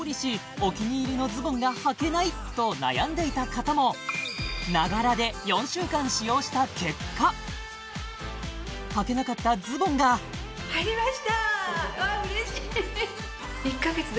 お気に入りのズボンがはけないと悩んでいた方もながらで４週間使用した結果はけなかったズボンができます